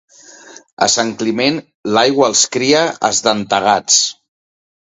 A Sant Climent, l'aigua els cria esdentegats.